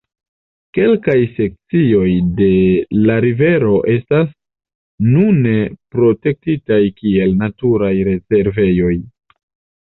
Kelkaj sekcioj de la rivero estas nune protektitaj kiel naturaj rezervejoj.